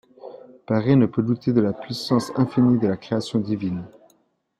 Paré ne peut douter de la puissance infinie de la Création divine.